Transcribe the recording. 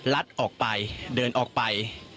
ลัดออกไปเดินออกไป